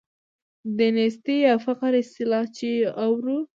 د نیستۍ یا فقر اصطلاح چې اورو.